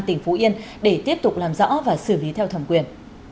tỉnh phú yên để tiếp tục làm rõ và xử lý theo thẩm quyền